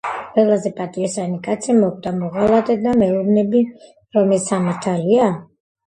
ყველაზე პატიოსანი კაცი მოკვდა მოღალატედ და მეუბნები რომ ეს სამართალია?